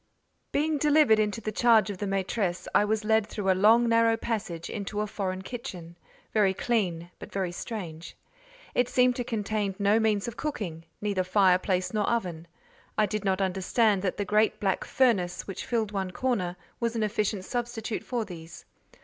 Being delivered into the charge of the maîtresse, I was led through a long narrow passage into a foreign kitchen, very clean but very strange. It seemed to contain no means of cooking—neither fireplace nor oven; I did not understand that the great black furnace which filled one corner, was an efficient substitute for these.